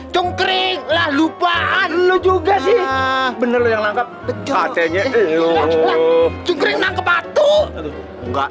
cengkering lah lupaan lu juga sih bener yang nangkep ac nya cengkering nangkep batu enggak